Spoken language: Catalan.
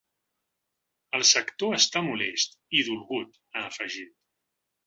El sector està molest i dolgut, ha afegit.